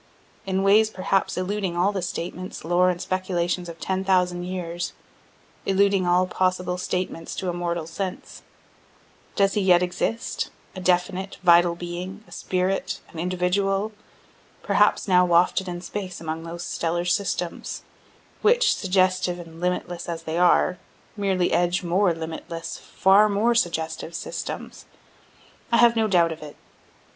In ways perhaps eluding all the statements, lore and speculations of ten thousand years eluding all possible statements to mortal sense does he yet exist, a definite, vital being, a spirit, an individual perhaps now wafted in space among those stellar systems, which, suggestive and limitless as they are, merely edge more limitless, far more suggestive systems? I have no doubt of it.